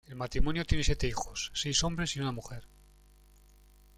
El matrimonio tiene siete hijos, seis hombres y una mujer.